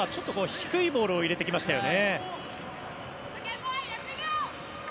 低いボールを入れてきましたよね。